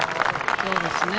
そうですね。